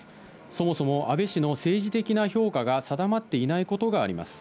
そもそも安倍氏の政治的な評価が定まっていないことがあります。